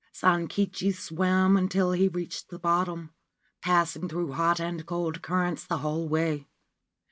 Sankichi swam until he reached the bottom, passing through hot and cold currents the whole way.